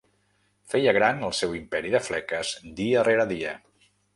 Feia gran el seu imperi de fleques dia rere dia.